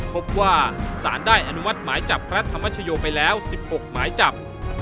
พบว่าสารได้อนุมัติหมายจับพระธรรมชโยไปแล้ว๑๖หมายจับ